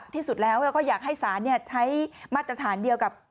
ที่สุดแล้วก็อยากให้ศาลใช้มาตรฐานเดียวกับ